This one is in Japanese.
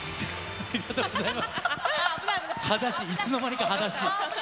ありがとうございます。